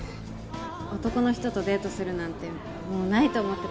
男の人とデートするなんてもうないと思ってたからさ。